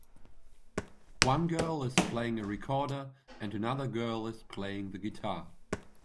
One girl is playing a recorder and another girl is playing the guitar.